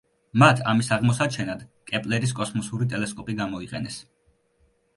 მათ ამის აღმოსაჩენად კეპლერის კოსმოსური ტელესკოპი გამოიყენეს.